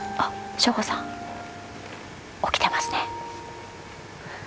省吾さん、起きてますね。